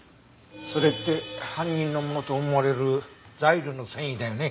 それって犯人のものと思われるザイルの繊維だよね？